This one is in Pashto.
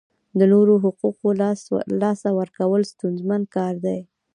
د نورو حقوقو لاسه ورکول ستونزمن کار دی.